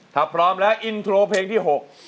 ถ้าพร้อมแล้วอินโทรเพลงที่๖